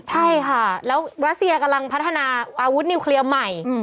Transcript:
ใช่ค่ะแล้วรัสเซียกำลังพัฒนาอาวุธนิวเคลียร์ใหม่